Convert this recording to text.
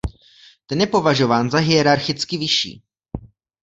Ten je považován za hierarchicky vyšší.